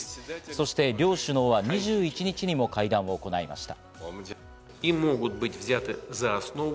そして両首脳は２１日にも会談を行いました。